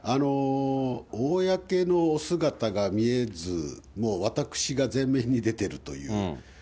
公のお姿が見えず、もう私が前面に出てるという。